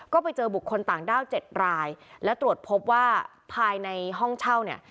ก็ไปเจอบุคคลต่างด้าว๗รายและตรวจพบว่าภายในห้องเช่าเนี่ย